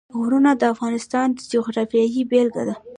غرونه د افغانستان د جغرافیې بېلګه ده.